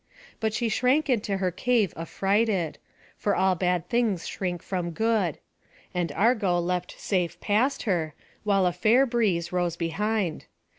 But she shrank into her cave affrighted; for all bad things shrink from good; and Argo leapt safe past her, while a fair breeze rose behind.